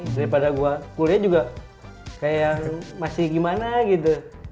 daripada gue kuliah juga kayak masih gimana gitu